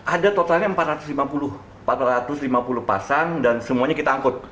ada totalnya empat ratus lima puluh empat ratus lima puluh pasang dan semuanya kita angkut